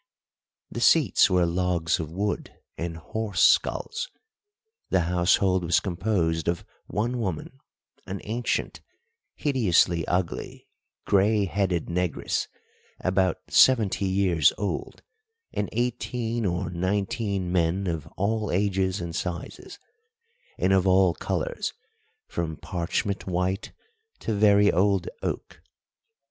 The seats were logs of wood and horse skulls. The household was composed of one woman, an ancient, hideously ugly, grey headed negress, about seventy years old, and eighteen or nineteen men of all ages and sizes, and of all colours from parchment white to very old oak.